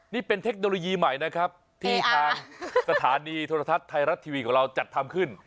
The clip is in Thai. นี่เป็นเทคโนโลยีใหม่นะครับที่ทางสถานีโทรทัศน์ไทยรัฐทีวีของเราจัดทำขึ้น